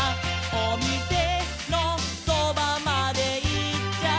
「おみせのそばまでいっちゃった」